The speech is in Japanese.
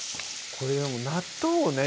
これはもう納豆をね